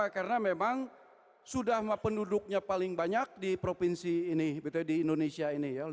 karena memang sudah penduduknya paling banyak di provinsi ini di indonesia ini